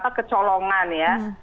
apa kecolongan ya